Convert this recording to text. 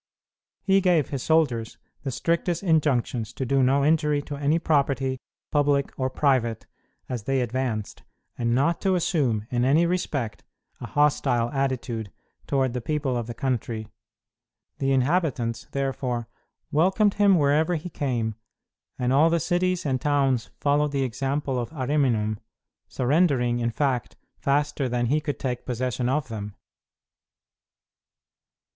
He gave his soldiers the strictest injunctions to do no injury to any property, public or private, as they advanced, and not to assume, in any respect, a hostile attitude toward the people of the country. The inhabitants, therefore, welcomed him wherever he came, and all the cities and towns followed the example of Ariminum, surrendering, in fact, faster than he could take possession of them.